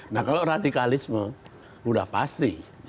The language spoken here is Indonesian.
nah kalau radikalisme sudah pasti